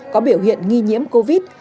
có biểu hiện nghi nhiễm covid